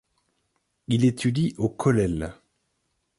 Il étudie au Kollel.